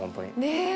ねえ！